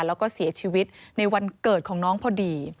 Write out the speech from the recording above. แล้วก็เสียชีวิตในวันเกิดของน้องพอดี